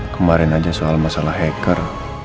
kemarin aja soal masalah hacker